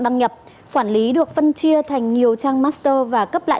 đăng nhập quản lý được phân chia thành nhiều trang master và cấp lại